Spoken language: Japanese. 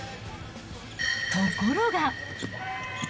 ところが。